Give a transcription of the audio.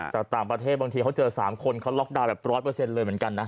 แต่ต่างประเทศบางทีเขาเจอสามคนเขาล็อกดาวน์แบบร้อยเปอร์เซ็นต์เลยเหมือนกันนะ